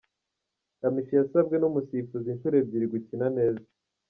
Kamichi yasabwe numusifuzi inshuro ebyiri gukina neza.